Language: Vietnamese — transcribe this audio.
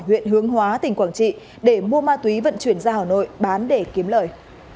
huyện hướng hóa tỉnh quảng trị để mua ma túy vận chuyển ra hà nội bán để kiếm lời